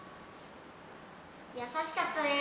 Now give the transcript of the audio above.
優しかったです。